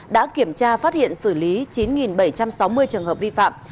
đã kiểm tra phát hiện xử lý chín bảy trăm sáu mươi trường hợp vi phạm